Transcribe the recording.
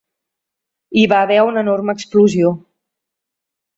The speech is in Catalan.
Hi va haver una enorme explosió.